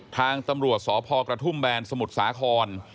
ทางตำรวจสพกระทุ่มแบนสมุทรสาคร